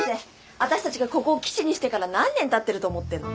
あたしたちがここを基地にしてから何年たってると思ってんの？